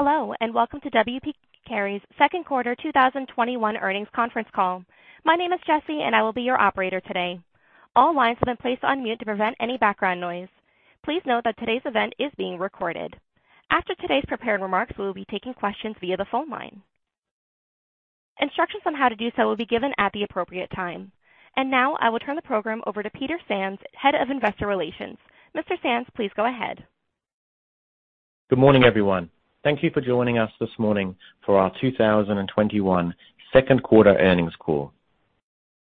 Hello, welcome to W. P. Carey's Q2 2021 earnings conference call. My name is Jessie, and I will be your operator today. All lines have been placed on mute to prevent any background noise. Please note that today's event is being recorded. After today's prepared remarks, we will be taking questions via the phone line. Instructions on how to do so will be given at the appropriate time. Now I will turn the program over to Peter Sands, Head of Investor Relations. Mr. Sands, please go ahead. Good morning, everyone. Thank you for joining us this morning for our 2021 Q2 earnings call.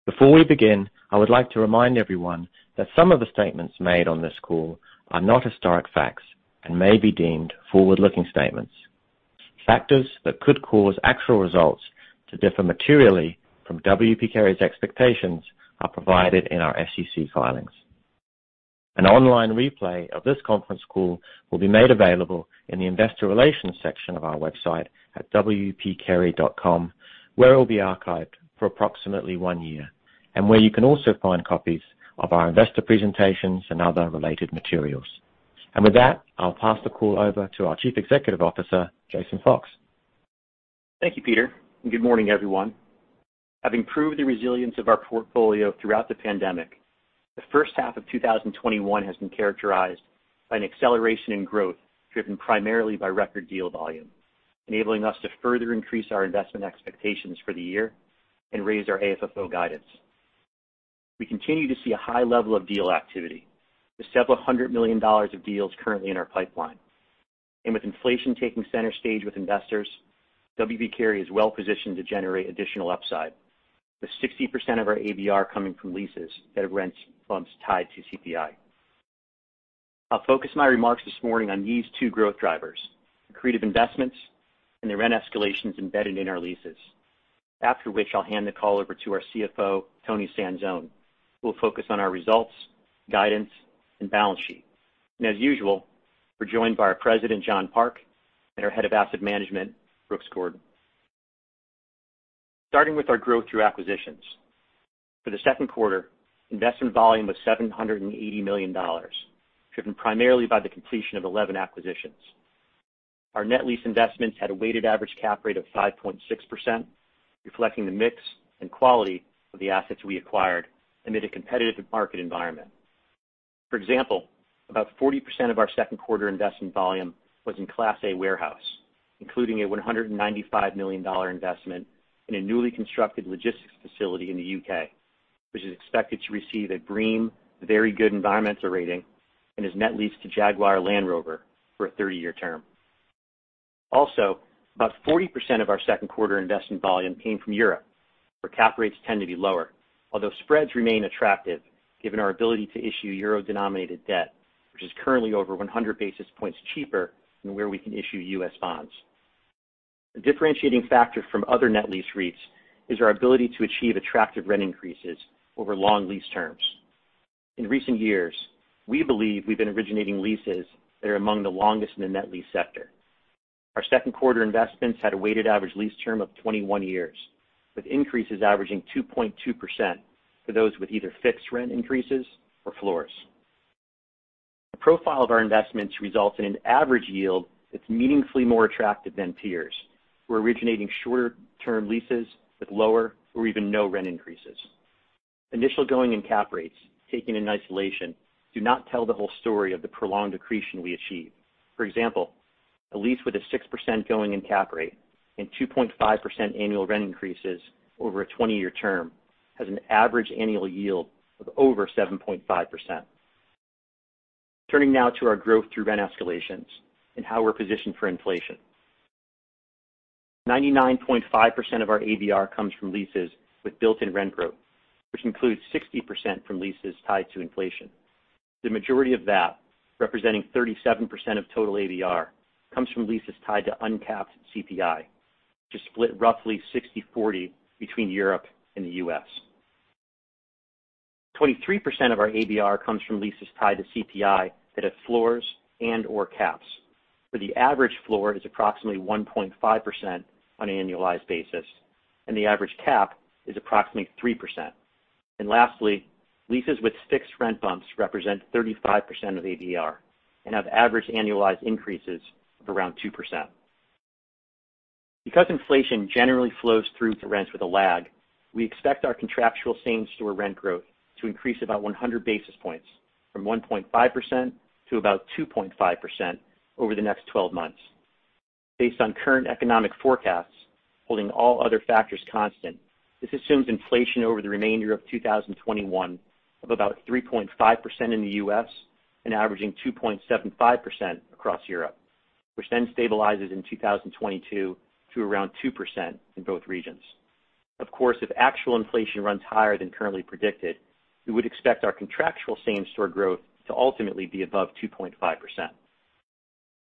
Before we begin, I would like to remind everyone that some of the statements made on this call are not historic facts and may be deemed forward-looking statements. Factors that could cause actual results to differ materially from W. P. Carey's expectations are provided in our SEC filings. An online replay of this conference call will be made available in the investor relations section of our website at wpcarey.com, where it will be archived for approximately one year, and where you can also find copies of our investor presentations and other related materials. With that, I'll pass the call over to our Chief Executive Officer, Jason Fox. Thank you, Peter. Good morning, everyone. Having proved the resilience of our portfolio throughout the pandemic, the first half of 2021 has been characterized by an acceleration in growth driven primarily by record deal volume, enabling us to further increase our investment expectations for the year and raise our AFFO guidance. We continue to see a high level of deal activity with several hundred million dollars of deals currently in our pipeline. With inflation taking center stage with investors, W. P. Carey is well positioned to generate additional upside, with 60% of our ABR coming from leases that have rent bumps tied to CPI. I'll focus my remarks this morning on these two growth drivers, accretive investments and the rent escalations embedded in our leases. After which, I'll hand the call over to our CFO, Toni Sanzone, who will focus on our results, guidance, and balance sheet. As usual, we're joined by our President, John Park, and our Head of Asset Management, Brooks Gordon. Starting with our growth through acquisitions. For the second quarter, investment volume was $780 million, driven primarily by the completion of 11 acquisitions. Our net lease investments had a weighted average cap rate of 5.6%, reflecting the mix and quality of the assets we acquired amid a competitive market environment. For example, about 40% of our Q2 investment volume was in Class A warehouse, including a $195 million investment in a newly constructed logistics facility in the U.K., which is expected to receive a BREEAM Very Good environmental rating and is net leased to Jaguar Land Rover for a 30-year term. Q2 investments had a weighted average lease term of 21 years, with increases averaging 2.2% for those with either fixed rent increases or floors. The profile of our investments results in an average yield that's meaningfully more attractive than peers who are originating shorter term leases with lower or even no rent increases. Initial going-in cap rates taken in isolation do not tell the whole story of the prolonged accretion we achieve. For example, a lease with a six percent going-in cap rate and 2.5% annual rent increases over a 20-year term has an average annual yield of over 7.5%. Turning now to our growth through rent escalations and how we're positioned for inflation. 99.5% of our ABR comes from leases with built-in rent growth, which includes 60% from leases tied to inflation. The majority of that, representing 37% of total ABR, comes from leases tied to uncapped CPI, which is split roughly 60/40 between Europe and the U.S. 23% of our ABR comes from leases tied to CPI that have floors and/or caps, where the average floor is approximately 1.5% on an annualized basis and the average cap is approximately three percent. Lastly, leases with fixed rent bumps represent 35% of ABR and have average annualized increases of around two percent. Inflation generally flows through to rents with a lag, we expect our contractual same store rent growth to increase about 100 basis points from 1.5% - about 2.5% over the next 12 months. Based on current economic forecasts, holding all other factors constant, this assumes inflation over the remainder of 2021 of about 3.5% in the U.S. and averaging 2.75% across Europe, which then stabilizes in 2022 to around two percent in both regions. Of course, if actual inflation runs higher than currently predicted, we would expect our contractual same store growth to ultimately be above 2.5%.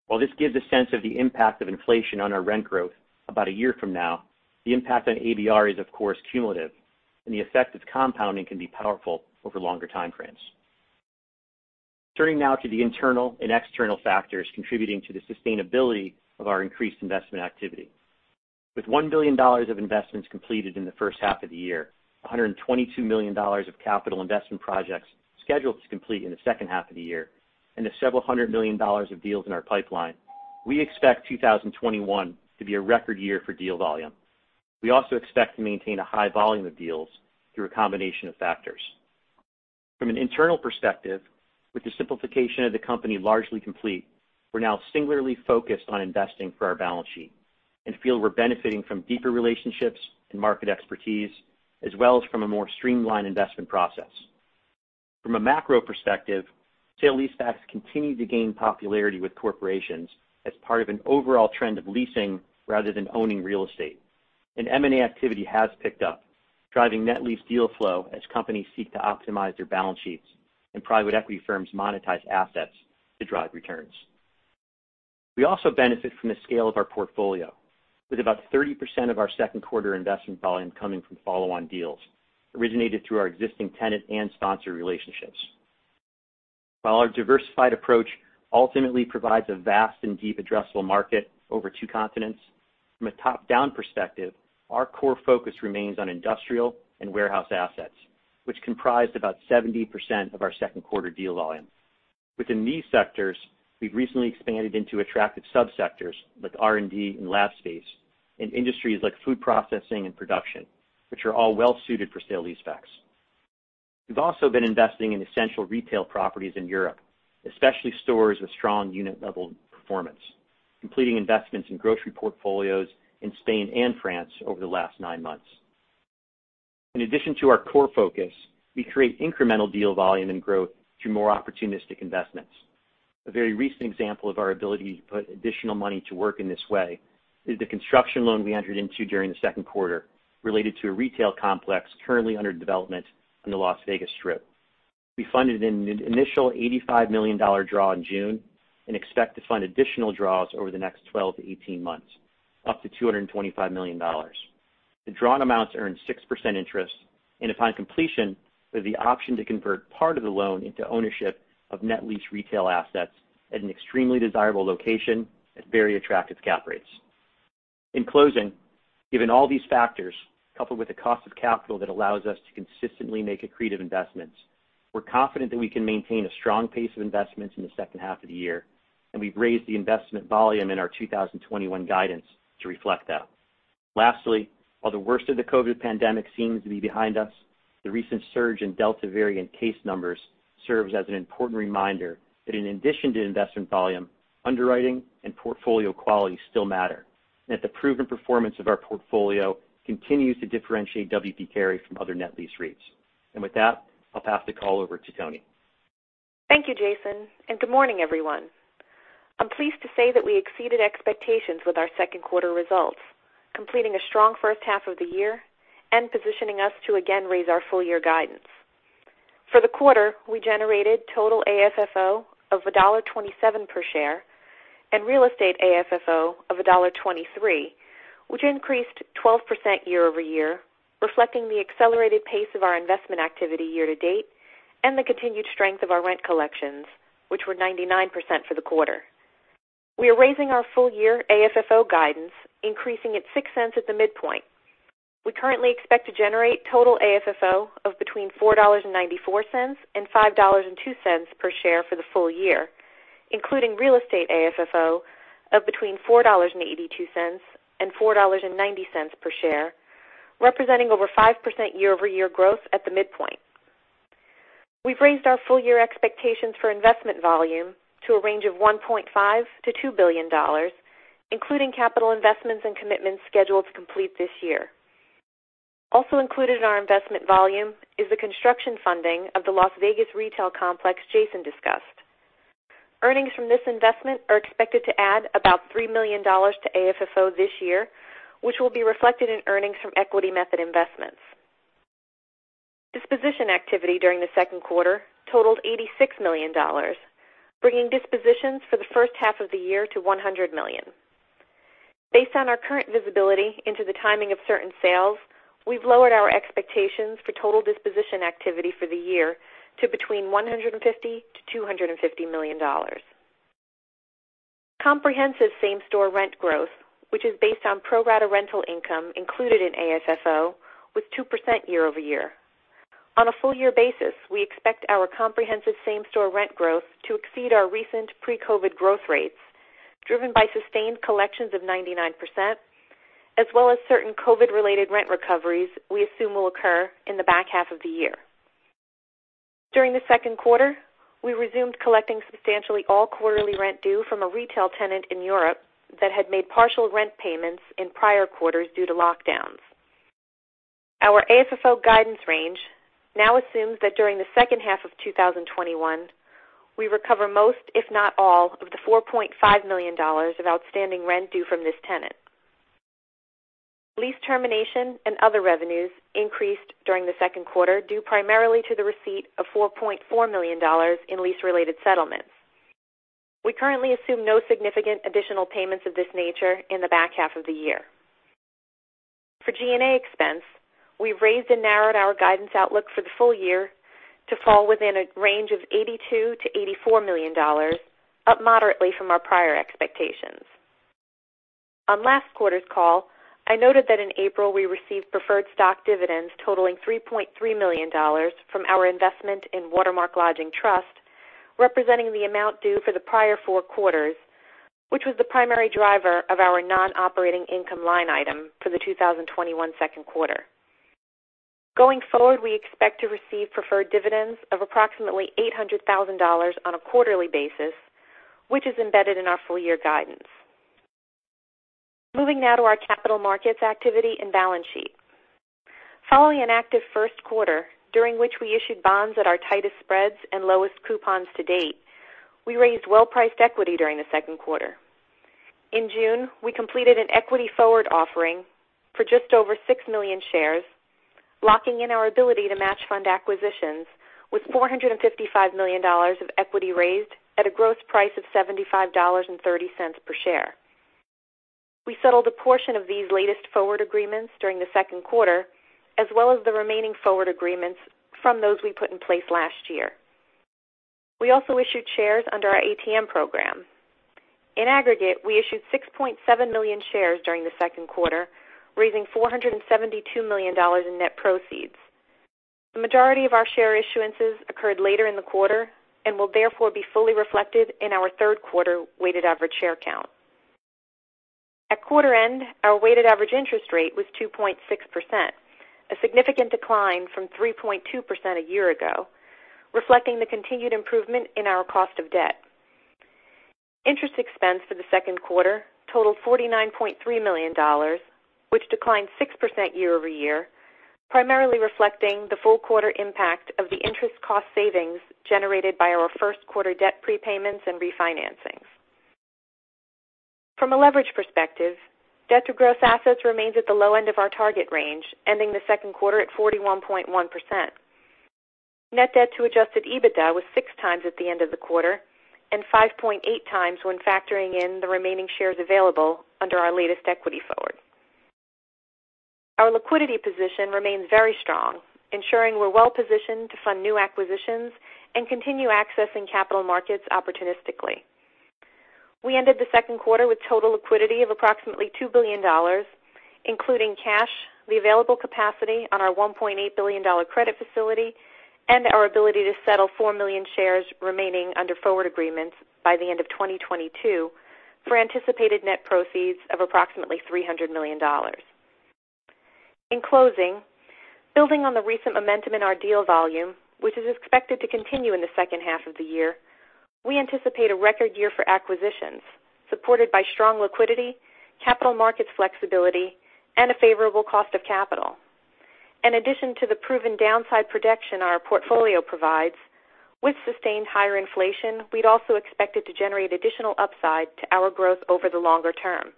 While this gives a sense of the impact of inflation on our rent growth about a year from now, the impact on ABR is of course cumulative, and the effect of compounding can be powerful over longer time frames. Turning now to the internal and external factors contributing to the sustainability of our increased investment activity. With $1 billion of investments completed in the first half of the year, $122 million of capital investment projects scheduled to complete in the second half of the year, and the several hundred million dollars of deals in our pipeline, we expect 2021 to be a record year for deal volume. We also expect to maintain a high volume of deals through a combination of factors. From an internal perspective, with the simplification of the company largely complete, we're now singularly focused on investing for our balance sheet and feel we're benefiting from deeper relationships and market expertise, as well as from a more streamlined investment process. From a macro perspective, sale-leasebacks continue to gain popularity with corporations as part of an overall trend of leasing rather than owning real estate. M&A activity has picked up, driving net lease deal flow as companies seek to optimize their balance sheets and private equity firms monetize assets to drive returns. We also benefit from the scale of our portfolio. With about 30% of our second quarter investment volume coming from follow-on deals originated through our existing tenant and sponsor relationships. While our diversified approach ultimately provides a vast and deep addressable market over two continents, from a top-down perspective, our core focus remains on industrial and warehouse assets, which comprised about 70% of our Q2 deal volume. Within these sectors, we've recently expanded into attractive sub-sectors, like R&D and lab space, in industries like food processing and production, which are all well-suited for sale-leasebacks. We've also been investing in essential retail properties in Europe, especially stores with strong unit-level performance, completing investments in grocery portfolios in Spain and France over the last nine months. In addition to our core focus, we create incremental deal volume and growth through more opportunistic investments. A very recent example of our ability to put additional money to work in this way is the construction loan we entered into during the Q2 related to a retail complex currently under development on the Las Vegas Strip. We funded an initial $85 million draw in June and expect to fund additional draws over the next 12-18 months, up to $225 million. The drawn amounts earn six percent interest, and upon completion, there's the option to convert part of the loan into ownership of net lease retail assets at an extremely desirable location at very attractive cap rates. In closing, given all these factors, coupled with the cost of capital that allows us to consistently make accretive investments, we're confident that we can maintain a strong pace of investments in the second half of the year, and we've raised the investment volume in our 2021 guidance to reflect that. Lastly, while the worst of the COVID pandemic seems to be behind us, the recent surge in Delta variant case numbers serves as an important reminder that in addition to investment volume, underwriting and portfolio quality still matter, and that the proven performance of our portfolio continues to differentiate W. P. Carey from other net lease REITs. With that, I'll pass the call over to Toni. Thank you, Jason. Good morning, everyone. I'm pleased to say that we exceeded expectations with our second quarter results, completing a strong first half of the year and positioning us to again raise our full-year guidance. For the quarter, we generated total AFFO of $1.27 per share and real estate AFFO of $1.23, which increased 12% year-over-year, reflecting the accelerated pace of our investment activity year to date and the continued strength of our rent collections, which were 99% for the quarter. We are raising our full-year AFFO guidance, increasing it $0.06 at the midpoint. We currently expect to generate total AFFO of between $4.94 and $5.02 per share for the full year, including real estate AFFO of between $4.82 and $4.90 per share, representing over five percent year-over-year growth at the midpoint. We've raised our full-year expectations for investment volume to a range of $1.5 billion-$2 billion, including capital investments and commitments scheduled to complete this year. Also included in our investment volume is the construction funding of the Las Vegas retail complex Jason discussed. Earnings from this investment are expected to add about $3 million to AFFO this year, which will be reflected in earnings from equity method investments. Disposition activity during the Q2 totaled $86 million, bringing dispositions for the first half of the year to $100 million. Based on our current visibility into the timing of certain sales, we've lowered our expectations for total disposition activity for the year to between $150 million-$250 million. Comprehensive same-store rent growth, which is based on pro rata rental income included in AFFO, was two percent year-over-year. On a full-year basis, we expect our comprehensive same-store rent growth to exceed our recent pre-COVID growth rates, driven by sustained collections of 99%, as well as certain COVID-related rent recoveries we assume will occur in the back half of the year. During the Q2, we resumed collecting substantially all quarterly rent due from a retail tenant in Europe that had made partial rent payments in prior quarters due to lockdowns. Our AFFO guidance range now assumes that during the second half of 2021, we recover most, if not all, of the $4.5 million of outstanding rent due from this tenant. Lease termination and other revenues increased during the Q2 due primarily to the receipt of $4.4 million in lease-related settlements. We currently assume no significant additional payments of this nature in the back half of the year. For G&A expense, we've raised and narrowed our guidance outlook for the full year to fall within a range of $82 million-$84 million, up moderately from our prior expectations. On last quarter's call, I noted that in April we received preferred stock dividends totaling $3.3 million from our investment in Watermark Lodging Trust, representing the amount due for the prior Q4, which was the primary driver of our non-operating income line item for the 2021 Q2. Going forward, we expect to receive preferred dividends of approximately $800,000 on a quarterly basis, which is embedded in our full year guidance. Moving now to our capital markets activity and balance sheet. Following an active first quarter, during which we issued bonds at our tightest spreads and lowest coupons to date, we raised well-priced equity during the Q2. In June, we completed an equity forward offering for just over 6 million shares, locking in our ability to match fund acquisitions with $455 million of equity raised at a gross price of $75.30 per share. We settled a portion of these latest forward agreements during the Q2, as well as the remaining forward agreements from those we put in place last year. We also issued shares under our ATM program. In aggregate, we issued 6.7 million shares during the second quarter, raising $472 million in net proceeds. The majority of our share issuances occurred later in the quarter and will therefore be fully reflected in our Q3 weighted average share count. At quarter end, our weighted average interest rate was 2.6%, a significant decline from 3.2% a year ago, reflecting the continued improvement in our cost of debt. Interest expense for the Q2 totaled $49.3 million, which declined six percent year-over-year, primarily reflecting the full quarter impact of the interest cost savings generated by our first quarter debt prepayments and refinancings. From a leverage perspective, debt to gross assets remains at the low end of our target range, ending the Q2 at 41.1%. Net debt to adjusted EBITDA was 6x at the end of the quarter, and 5.8x when factoring in the remaining shares available under our latest equity forward. Our liquidity position remains very strong, ensuring we're well positioned to fund new acquisitions and continue accessing capital markets opportunistically. We ended the second quarter with total liquidity of approximately $2 billion, including cash, the available capacity on our $1.8 billion credit facility, and our ability to settle 4 million shares remaining under forward agreements by the end of 2022 for anticipated net proceeds of approximately $300 million. In closing, building on the recent momentum in our deal volume, which is expected to continue in the second half of the year, we anticipate a record year for acquisitions, supported by strong liquidity, capital markets flexibility, and a favorable cost of capital. In addition to the proven downside protection our portfolio provides, with sustained higher inflation, we'd also expect it to generate additional upside to our growth over the longer term.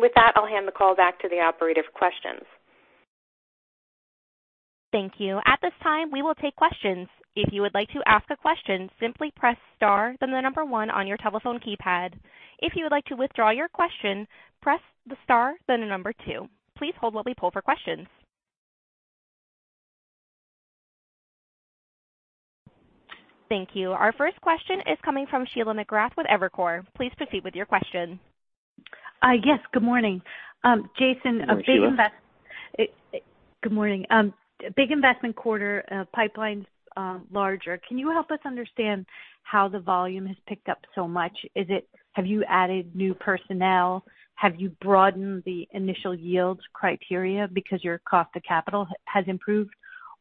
With that, I'll hand the call back to the operator for questions. Thank you. At this time, we will take questions. If you would like to ask a question, simply press star, then the number one on your telephone keypad. If you would like to withdraw your question, press the star, then the number two. Please hold while we poll for questions. Thank you. Our first question is coming from Sheila McGrath with Evercore. Please proceed with your question. Yes, good morning. Jason. Hello, Sheila. Good morning. Big investment quarter, pipelines larger. Can you help us understand how the volume has picked up so much? Have you added new personnel? Have you broadened the initial yields criteria because your cost of capital has improved?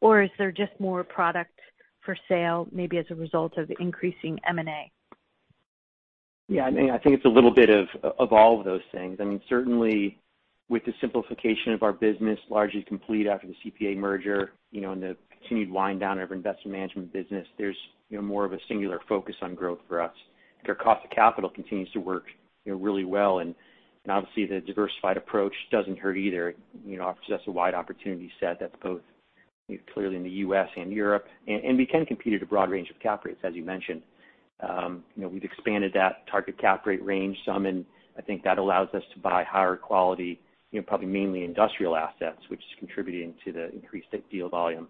Is there just more product for sale, maybe as a result of increasing M&A? Yeah, I think it's a little bit of all of those things. Certainly with the simplification of our business largely complete after the CPA merger, and the continued wind down of our investment management business, there's more of a singular focus on growth for us. Our cost of capital continues to work really well, and obviously the diversified approach doesn't hurt either. It offers us a wide opportunity set that's both clearly in the U.S. and Europe. We can compete at a broad range of cap rates, as you mentioned. We've expanded that target cap rate range some, and I think that allows us to buy higher quality, probably mainly industrial assets, which is contributing to the increased deal volume.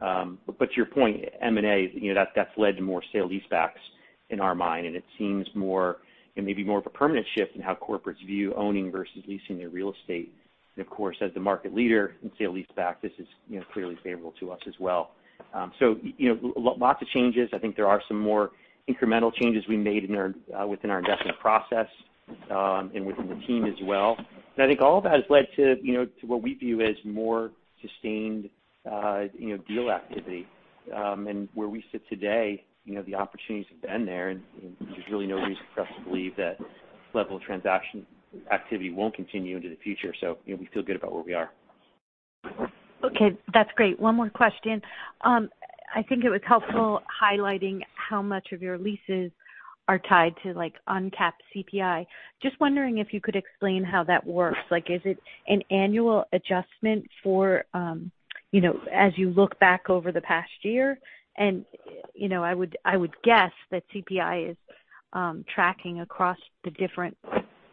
To your point, M&A, that's led to more sale-leasebacks in our mind, and it seems maybe more of a permanent shift in how corporates view owning versus leasing their real estate. Of course, as the market leader in sale-leaseback, this is clearly favorable to us as well. Lots of changes. I think there are some more incremental changes we made within our investment process, and within the team as well. I think all of that has led to what we view as more sustained deal activity. Where we sit today, the opportunities have been there, and there's really no reason for us to believe that level of transaction activity won't continue into the future. We feel good about where we are. Okay, that's great. One more question. I think it was helpful highlighting how much of your leases are tied to uncapped CPI. Just wondering if you could explain how that works. Is it an annual adjustment as you look back over the past year, I would guess that CPI is tracking across the different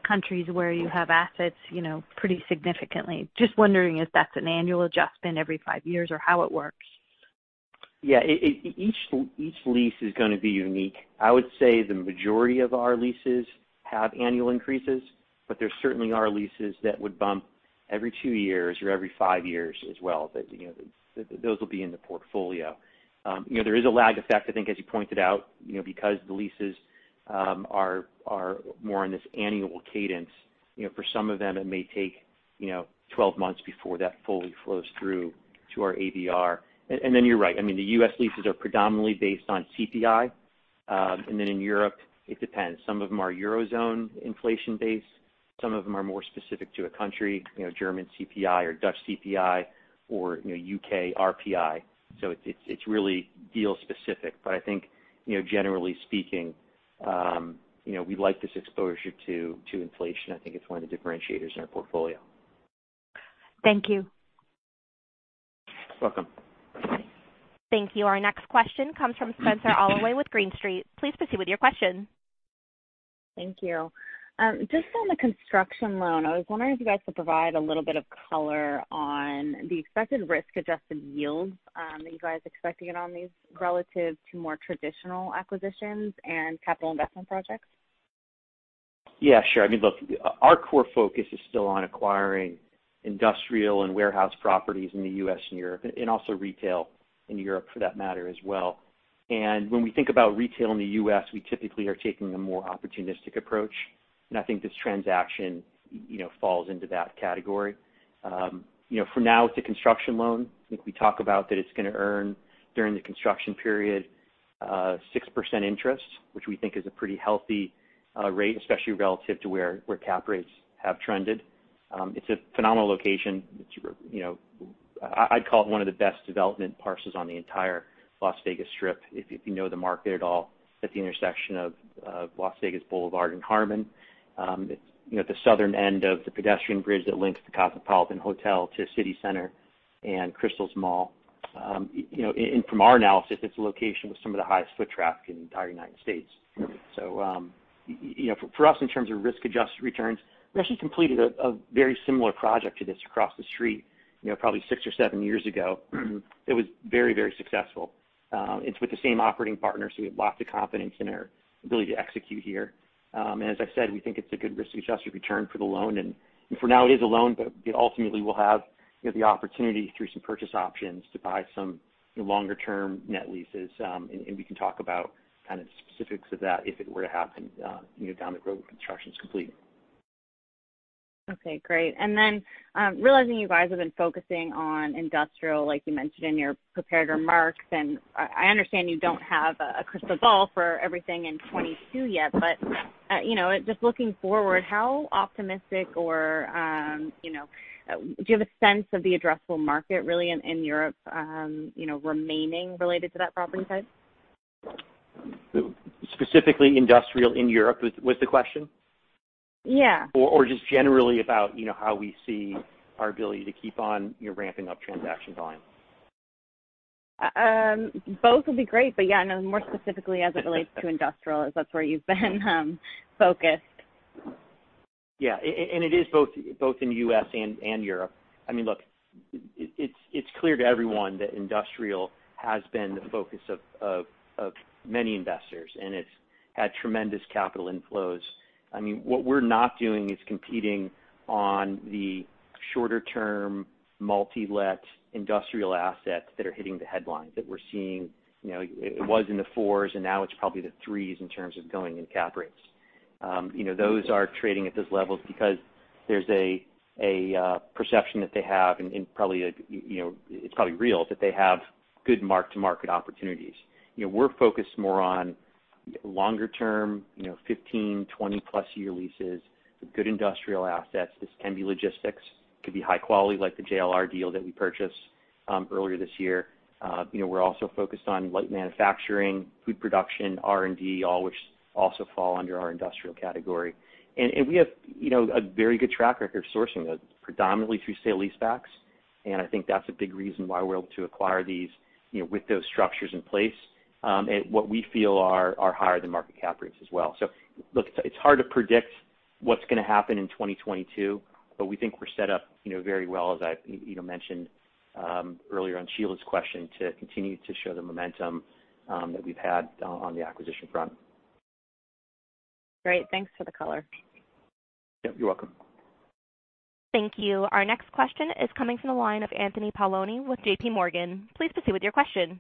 countries where you have assets pretty significantly. Just wondering if that's an annual adjustment every five years or how it works? Each lease is going to be unique. I would say the majority of our leases have annual increases, but there certainly are leases that would bump every two years or every five years as well. Those will be in the portfolio. There is a lag effect, I think, as you pointed out, because the leases are more on this annual cadence. For some of them, it may take 12 months before that fully flows through to our ABR. You're right, I mean, the U.S. leases are predominantly based on CPI. In Europe, it depends. Some of them are Eurozone inflation based, some of them are more specific to a country, German CPI or Dutch CPI or U.K. RPI. It's really deal specific. I think generally speaking we like this exposure to inflation. I think it's one of the differentiators in our portfolio. Thank you. You're welcome. Thank you. Our next question comes from Spenser Allaway with Green Street. Please proceed with your question. Thank you. Just on the construction loan, I was wondering if you guys could provide a little bit of color on the expected risk adjusted yields that you guys are expecting on these relative to more traditional acquisitions and capital investment projects. Yeah, sure. I mean, look, our core focus is still on acquiring industrial and warehouse properties in the U.S. and Europe, and also retail in Europe for that matter as well. When we think about retail in the U.S., we typically are taking a more opportunistic approach, and I think this transaction falls into that category. For now with the construction loan, I think we talk about that it's going to earn during the construction period six percent interest, which we think is a pretty healthy rate, especially relative to where cap rates have trended. It's a phenomenal location. I'd call it one of the best development parcels on the entire Las Vegas Strip. If you know the market at all, it's at the intersection of Las Vegas Boulevard and Harmon. It's the southern end of the pedestrian bridge that links the Cosmopolitan Hotel to CityCenter and Crystals Mall. From our analysis, it's a location with some of the highest foot traffic in the entire United States. For us, in terms of risk-adjusted returns, we actually completed a very similar project to this across the street probably six or seven years ago. It was very successful. It's with the same operating partner, so we have lots of confidence in their ability to execute here. As I've said, we think it's a good risk-adjusted return for the loan. For now it is a loan, but it ultimately will have the opportunity through some purchase options to buy some longer-term net leases. We can talk about kind of the specifics of that if it were to happen down the road when construction's complete. Okay, great. Realizing you guys have been focusing on industrial, like you mentioned in your prepared remarks, and I understand you don't have a crystal ball for everything in 2022 yet. Just looking forward, how optimistic or do you have a sense of the addressable market really in Europe remaining related to that property type? Specifically industrial in Europe was the question? Yeah. Just generally about how we see our ability to keep on ramping up transaction volume? Both would be great, but yeah, no, more specifically as it relates to industrial, as that's where you've been focused. Yeah. It is both in the U.S. and Europe. I mean, look, it's clear to everyone that industrial has been the focus of many investors, and it's had tremendous capital inflows. What we're not doing is competing on the shorter-term multi-let industrial assets that are hitting the headlines, that we're seeing. It was in the fours, and now it's probably the threes in terms of going in cap rates. Those are trading at those levels because there's a perception that they have, and it's probably real, that they have good mark-to-market opportunities. We're focused more on longer-term, 15, 20-plus year leases with good industrial assets. This can be logistics. It could be high quality, like the JLR deal that we purchased earlier this year. We're also focused on light manufacturing, food production, R&D, all which also fall under our industrial category. We have a very good track record of sourcing those predominantly through sale-leasebacks, and I think that's a big reason why we're able to acquire these with those structures in place, at what we feel are higher than market cap rates as well. Look, it's hard to predict what's going to happen in 2022, but we think we're set up very well, as I mentioned earlier on Sheila's question, to continue to show the momentum that we've had on the acquisition front. Great. Thanks for the color. Yeah, you're welcome. Thank you. Our next question is coming from the line of Anthony Paolone with JPMorgan. Please proceed with your question.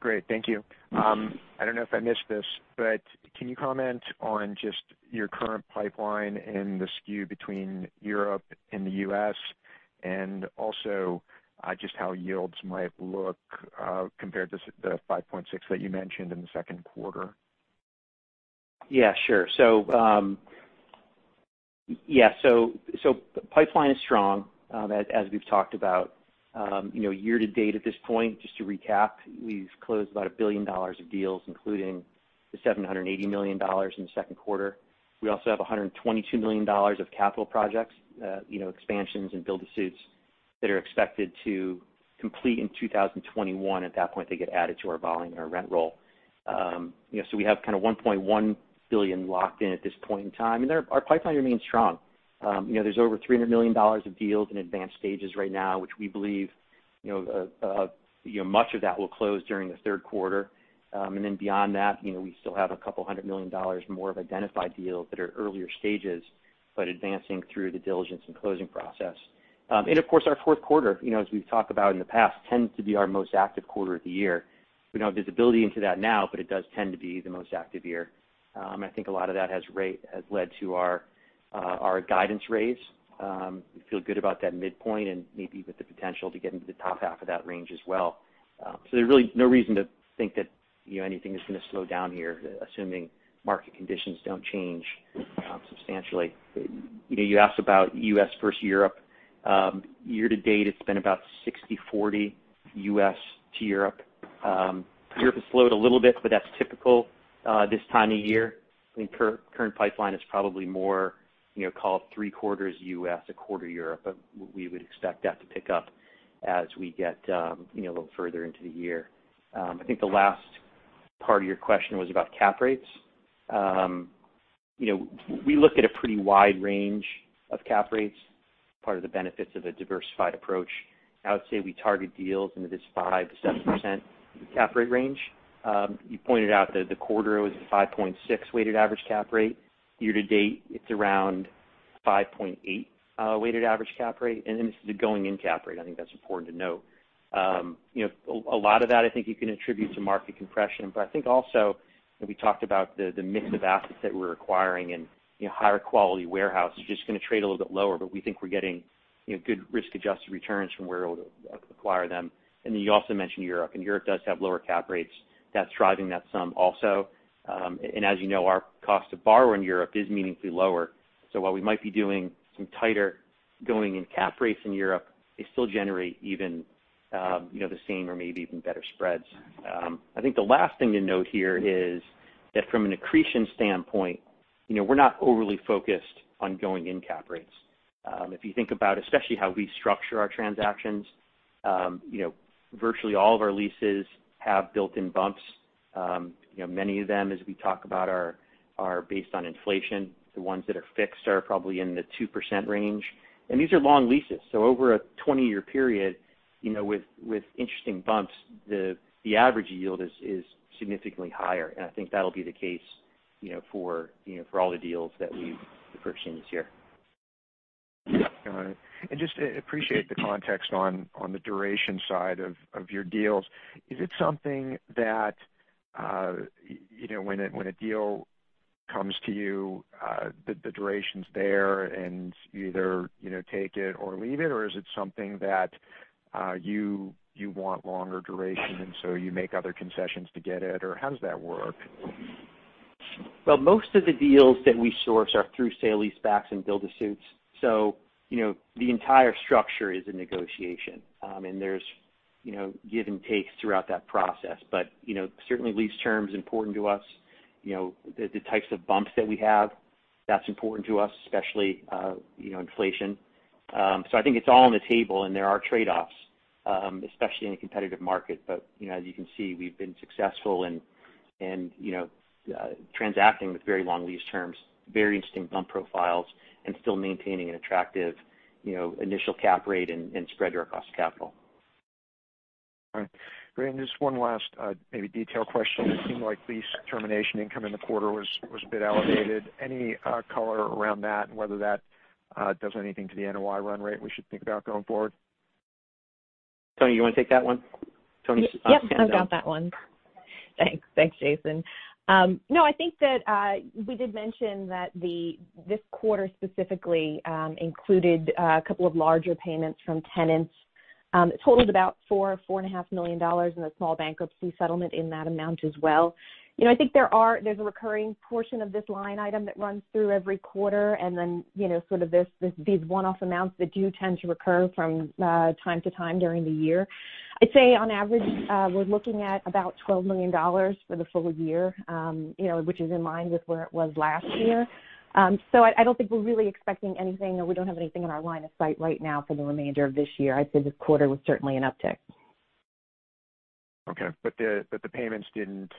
Great. Thank you. I don't know if I missed this, but can you comment on just your current pipeline and the skew between Europe and the U.S., and also just how yields might look compared to the 5.6% that you mentioned in the Q2? Yeah, sure. Pipeline is strong as we've talked about. Year to date at this point, just to recap, we've closed about $1 billion of deals, including the $780 million in the Q2. We also have $122 million of capital projects, expansions and build to suits that are expected to complete in 2021. At that point, they get added to our volume, our rent roll. We have kind of $1.1 billion locked in at this point in time, and our pipeline remains strong. There's over $300 million of deals in advanced stages right now, which we believe much of that will close during the Q3. Beyond that, we still have $200 million more of identified deals that are earlier stages, but advancing through the diligence and closing process. Of course, our Q4, as we've talked about in the past, tends to be our most active quarter of the year. We don't have visibility into that now, but it does tend to be the most active year. I think a lot of that has led to our guidance raise. We feel good about that midpoint and maybe with the potential to get into the top half of that range as well. There's really no reason to think that anything is going to slow down here, assuming market conditions don't change substantially. You asked about U.S. versus Europe. Year to date, it's been about 60/40 U.S. to Europe. Europe has slowed a little bit, but that's typical this time of year. I think current pipeline is probably more call it Q3 U.S., a quarter Europe. We would expect that to pick up as we get a little further into the year. I think the last part of your question was about cap rates. We look at a pretty wide range of cap rates, part of the benefits of a diversified approach. I would say we target deals in the five percent - seven percent cap rate range. You pointed out that the quarter was a 5.6% weighted average cap rate. Year to date, it's around 5.8% weighted average cap rate. This is the going in cap rate. I think that's important to note. A lot of that I think you can attribute to market compression. I think also, we talked about the mix of assets that we're acquiring and higher quality warehouse is just going to trade a little bit lower, but we think we're getting good risk-adjusted returns from where it would acquire them. Then you also mentioned Europe, and Europe does have lower cap rates. That's driving that sum also. As you know, our cost to borrow in Europe is meaningfully lower. While we might be doing some tighter going in cap rates in Europe, they still generate even the same or maybe even better spreads. The last thing to note here is that from an accretion standpoint, we're not overly focused on going-in cap rates. If you think about especially how we structure our transactions, virtually all of our leases have built in bumps. Many of them, as we talk about, are based on inflation. The ones that are fixed are probably in the two percent range. These are long leases. Over a 20-year period, with interesting bumps, the average yield is significantly higher, and I think that'll be the case for all the deals that we've purchased in this year. Got it. Just appreciate the context on the duration side of your deals. Is it something that when a deal comes to you, the duration's there and you either take it or leave it, or is it something that you want longer duration and so you make other concessions to get it, or how does that work? Most of the deals that we source are through sale-leasebacks and build-to-suits. The entire structure is a negotiation. There's give and takes throughout that process. Certainly lease terms important to us. The types of bumps that we have, that's important to us, especially inflation. I think it's all on the table, and there are trade-offs, especially in a competitive market. As you can see, we've been successful in transacting with very long lease terms, very interesting bump profiles, and still maintaining an attractive initial cap rate and spread year across the capital. All right. Great. Just one last maybe detail question. It seemed like lease termination income in the quarter was a bit elevated. Any color around that and whether that does anything to the NOI run rate we should think about going forward? Toni, you want to take that one? Yes, I've got that one. Thanks, Jason. I think that we did mention that this quarter specifically included a couple of larger payments from tenants. It totaled about $4.5 million, and a small bankruptcy settlement in that amount as well. I think there's a recurring portion of this line item that runs through every quarter, sort of these one-off amounts that do tend to recur from time to time during the year. I'd say on average, we're looking at about $12 million for the full year, which is in line with where it was last year. I don't think we're really expecting anything, or we don't have anything in our line of sight right now for the remainder of this year. I'd say this quarter was certainly an uptick. Okay. The payments didn't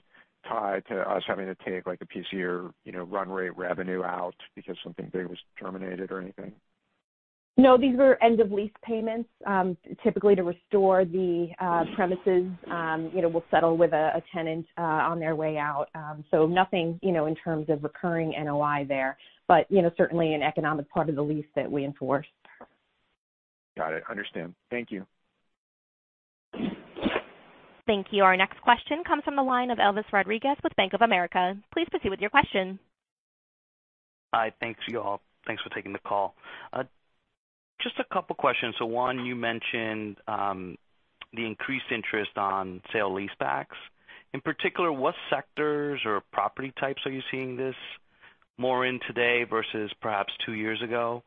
tie to us having to take like a piece of your run rate revenue out because something big was terminated or anything? No, these were end of lease payments, typically to restore the premises. We'll settle with a tenant on their way out. Nothing in terms of recurring NOI there, but certainly an economic part of the lease that we enforce. Got it. Understand. Thank you. Thank you. Our next question comes from the line of Elvis Rodriguez with Bank of America. Please proceed with your question. Hi, thanks you all. Thanks for taking the call. Just a couple questions. One, you mentioned the increased interest on sale-leaseback. In particular, what sectors or property types are you seeing this more in today versus perhaps two years ago.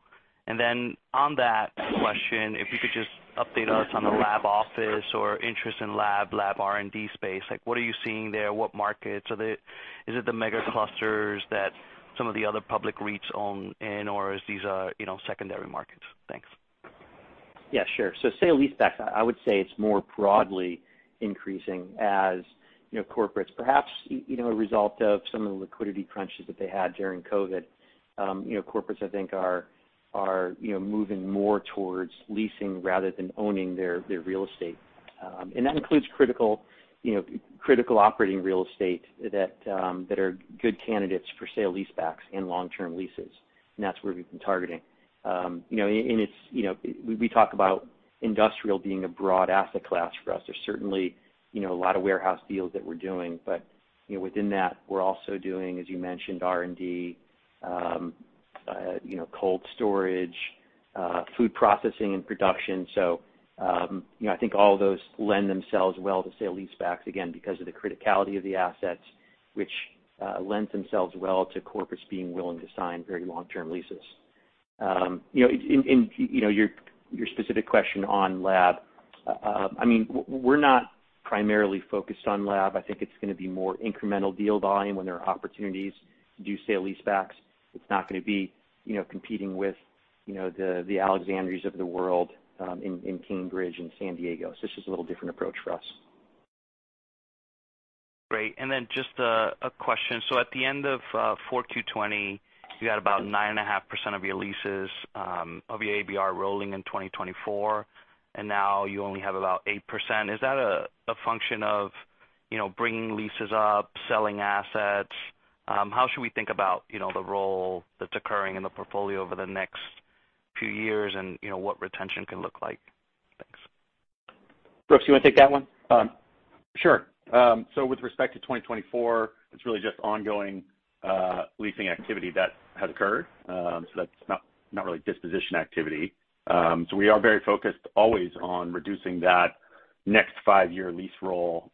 On that question, if you could just update us on the lab office or interest in lab R&D space. What are you seeing there? What markets? Is it the mega clusters that some of the other public REITs own in, or are these secondary markets? Thanks. Yeah. Sure. Sale-leaseback, I would say it's more broadly increasing as corporates. Perhaps, a result of some of the liquidity crunches that they had during COVID. Corporates, I think, are moving more towards leasing rather than owning their real estate. That includes critical operating real estate that are good candidates for sale-leasebacks and long-term leases. That's where we've been targeting. We talk about industrial being a broad asset class for us. There's certainly a lot of warehouse deals that we're doing. Within that, we're also doing, as you mentioned, R&D, cold storage, food processing and production. I think all of those lend themselves well to sale-leasebacks, again, because of the criticality of the assets, which lends themselves well to corporates being willing to sign very long-term leases. Your specific question on lab. We're not primarily focused on lab. I think it's going to be more incremental deal volume when there are opportunities to do sale-leasebacks. It's not going to be competing with the Alexandrias of the world in Cambridge and San Diego. It's just a little different approach for us. Great. Just a question. At the end of 4Q 2020, you had about 9.5% of your leases of your ABR rolling in 2024, and now you only have about eight percent. Is that a function of bringing leases up, selling assets? How should we think about the role that's occurring in the portfolio over the next few years and what retention can look like? Thanks. Brooks, you want to take that one? Sure. With respect to 2024, it's really just ongoing leasing activity that has occurred. That's not really disposition activity. We are very focused always on reducing that next five-year lease roll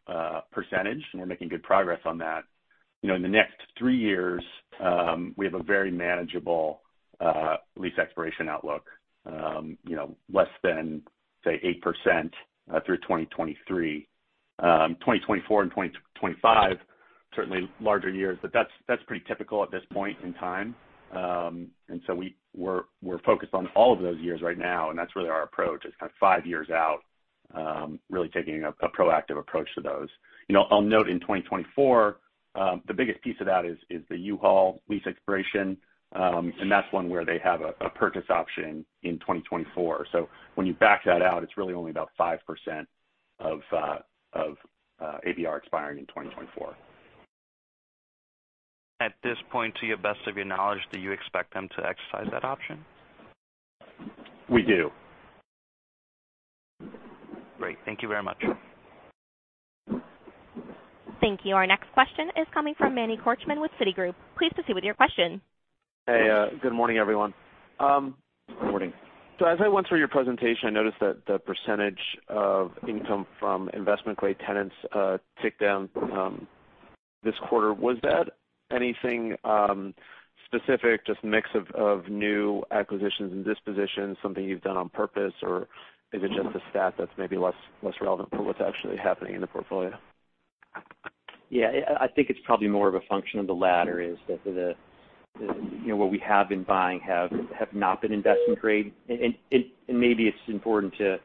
percentage, and we're making good progress on that. In the next three years, we have a very manageable lease expiration outlook. Less than, say, eight percent through 2023. 2024 and 2025, certainly larger years, but that's pretty typical at this point in time. We're focused on all of those years right now, and that's really our approach is kind of five years out, really taking a proactive approach to those. I'll note in 2024, the biggest piece of that is the U-Haul lease expiration. That's one where they have a purchase option in 2024. When you back that out, it's really only about five percent of ABR expiring in 2024. At this point, to the best of your knowledge, do you expect them to exercise that option? We do. Great. Thank you very much. Thank you. Our next question is coming from Manny Korchman with Citigroup. Please proceed with your question. Hey, good morning, everyone. Morning. As I went through your presentation, I noticed that the percentage of income from investment-grade tenants ticked down this quarter. Was that anything specific, just mix of new acquisitions and dispositions, something you've done on purpose, or is it just a stat that's maybe less relevant for what's actually happening in the portfolio? Yeah. I think it's probably more of a function of the latter, is that what we have been buying have not been investment grade. Maybe it's important to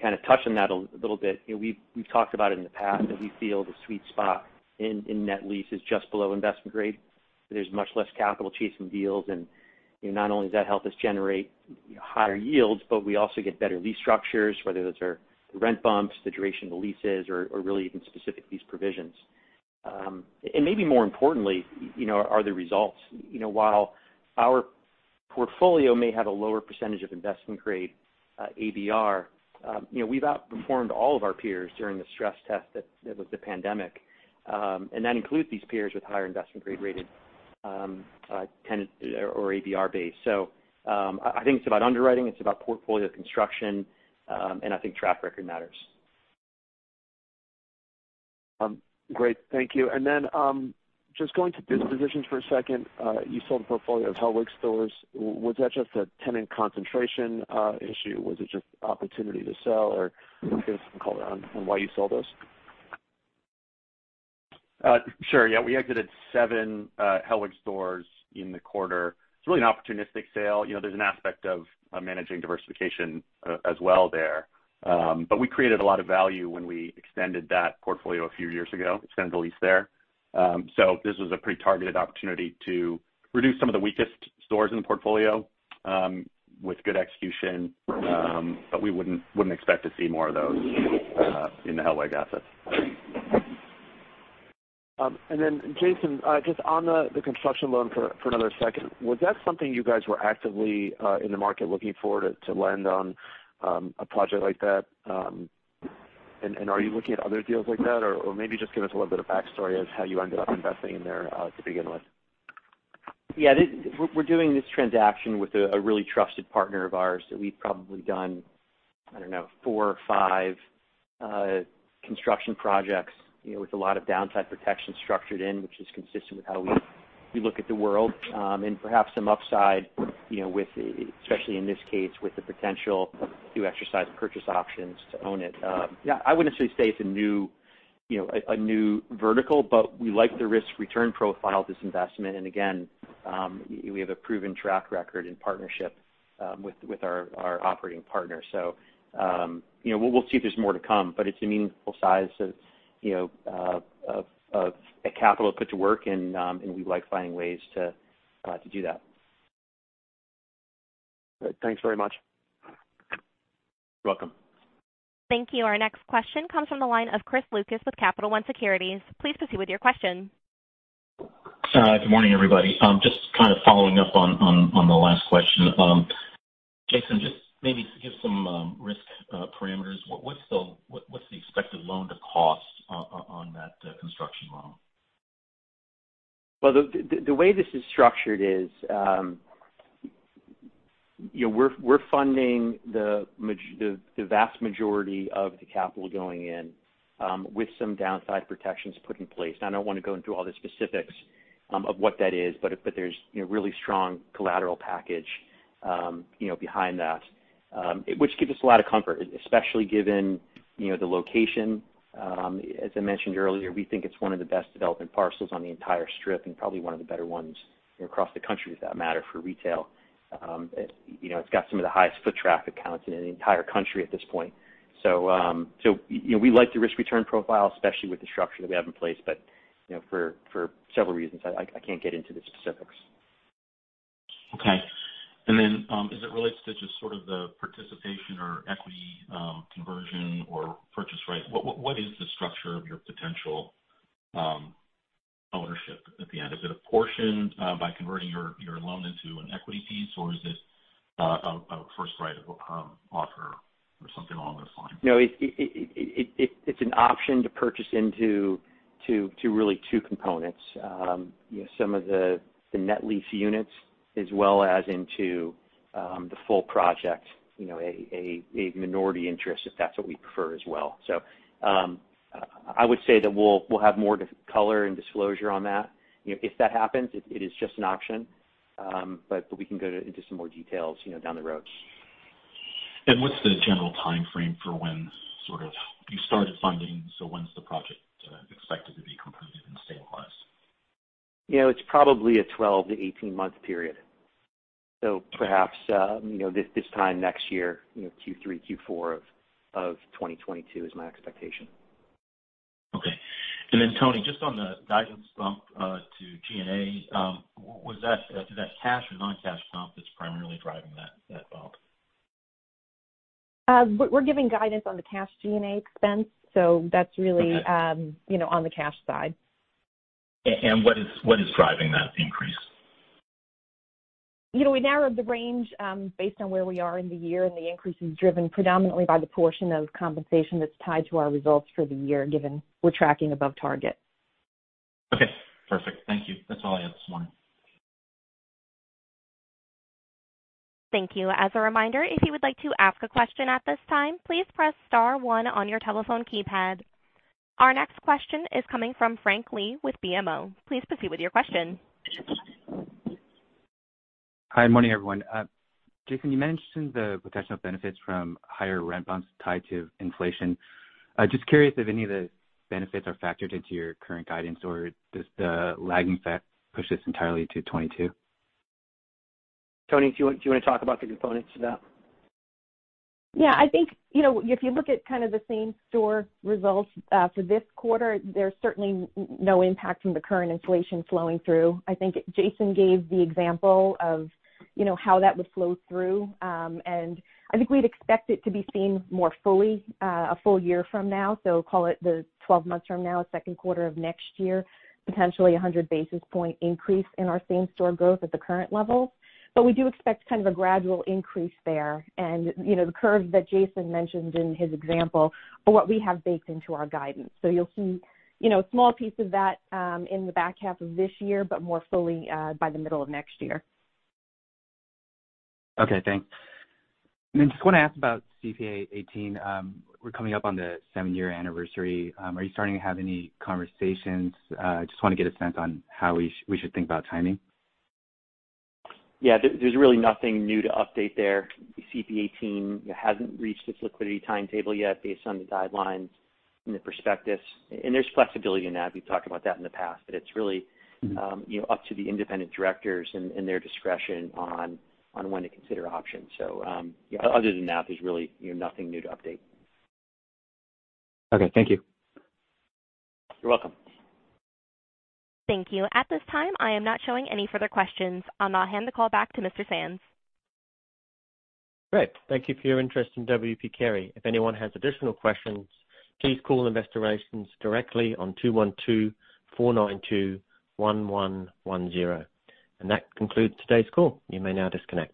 kind of touch on that a little bit. We've talked about it in the past that we feel the sweet spot in net lease is just below investment grade. There's much less capital chasing deals, and not only does that help us generate higher yields, but we also get better lease structures, whether those are rent bumps, the duration of the leases, or really even specific lease provisions. Maybe more importantly are the results. While our portfolio may have a lower percentage of investment-grade ABR, we've outperformed all of our peers during the stress test that was the pandemic. That includes these peers with higher investment grade rated tenant or ABR base. I think it's about underwriting, it's about portfolio construction, and I think track record matters. Great. Thank you. Just going to dispositions for a second. You sold a portfolio of Hellweg stores. Was that just a tenant concentration issue? Was it just opportunity to sell? Can you give us some color on why you sold those? Sure. Yeah. We exited seven Hellweg stores in the quarter. It's really an opportunistic sale. There's an aspect of managing diversification as well there. We created a lot of value when we extended that portfolio a few years ago, extended the lease there. This was a pretty targeted opportunity to reduce some of the weakest stores in the portfolio with good execution. We wouldn't expect to see more of those in the Hellweg assets. Jason, just on the construction loan for another second, was that something you guys were actively in the market looking for to land on a project like that? Are you looking at other deals like that? Maybe just give us a little bit of backstory as how you ended up investing in there to begin with? We're doing this transaction with a really trusted partner of ours that we've probably done, I don't know, four or five construction projects with a lot of downside protection structured in, which is consistent with how we look at the world. Perhaps some upside, especially in this case, with the potential to exercise purchase options to own it. I wouldn't necessarily say it's a new vertical, but we like the risk-return profile of this investment. Again, we have a proven track record and partnership with our operating partner. We'll see if there's more to come, but it's a meaningful size of capital put to work, and we like finding ways to do that. Thanks very much. You're welcome. Thank you. Our next question comes from the line of Chris Lucas with Capital One Securities. Please proceed with your question. Good morning, everybody. Just kind of following up on the last question. Jason, just maybe give some risk parameters. What's the expected loan to cost on that construction loan? The way this is structured is we're funding the vast majority of the capital going in with some downside protections put in place. I don't want to go into all the specifics of what that is, but there's really strong collateral package behind that, which gives us a lot of comfort, especially given the location. As I mentioned earlier, we think it's one of the best development parcels on the entire strip and probably one of the better ones across the country for that matter, for retail. It's got some of the highest foot traffic counts in the entire country at this point. We like the risk-return profile, especially with the structure that we have in place, but for several reasons, I can't get into the specifics. Okay. As it relates to just sort of the participation or equity conversion or purchase right, what is the structure of your potential ownership at the end? Is it a portion by converting your loan into an equity piece, or is it a first right of offer or something along those lines? No, it's an option to purchase into really two components. Some of the net lease units, as well as into the full project, a minority interest, if that's what we prefer as well. I would say that we'll have more color and disclosure on that if that happens. It is just an option. We can go into some more details down the road. What's the general timeframe for when sort of you started funding, so when's the project expected to be completed and stabilized? It's probably a 12-18 month period. Perhaps this time next year, Q3, Q4 of 2022 is my expectation. Okay. Toni, just on the guidance bump to G&A, is that cash or non-cash bump that's primarily driving that bump? We're giving guidance on the cash G&A expense. Okay on the cash side. What is driving that increase? We narrowed the range based on where we are in the year, and the increase is driven predominantly by the portion of compensation that's tied to our results for the year, given we're tracking above target. Okay, perfect. Thank you. That's all I had this morning. Thank you. Our next question is coming from Frank Lee with BMO. Please proceed with your question. Hi. Morning, everyone. Jason, you mentioned the potential benefits from higher rent bumps tied to inflation. Just curious if any of the benefits are factored into your current guidance, or does the lagging effect push this entirely to 2022? Toni, do you want to talk about the components to that? Yeah, I think if you look at kind of the same store results for this quarter, there's certainly no impact from the current inflation flowing through. I think Jason gave the example of how that would flow through. I think we'd expect it to be seen more fully a full year from now. Call it the 12 months from now, Q2 of next year, potentially 100 basis point increase in our same store growth at the current level. We do expect kind of a gradual increase there. The curve that Jason mentioned in his example are what we have baked into our guidance. You'll see a small piece of that in the back half of this year, but more fully by the middle of next year. Okay, thanks. Just want to ask about CPA 18. We're coming up on the seven year anniversary. Are you starting to have any conversations? Just want to get a sense on how we should think about timing. Yeah, there's really nothing new to update there. The CPA 18 hasn't reached its liquidity timetable yet based on the guidelines and the prospectus. There's flexibility in that. We've talked about that in the past, that it's really up to the independent directors and their discretion on when to consider options. Other than that, there's really nothing new to update. Okay, thank you. You're welcome. Thank you. At this time, I am not showing any further questions. I'll now hand the call back to Mr. Sands. Great. Thank you for your interest in W. P. Carey. If anyone has additional questions, please call investor relations directly on 212-492-1110. That concludes today's call. You may now disconnect.